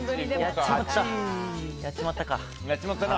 やっちまったか。